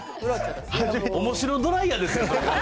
おもしろドライヤーですやん、それ。